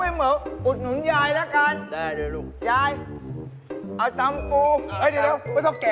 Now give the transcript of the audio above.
เหมาซุ่มตำหรือเหมายายลูก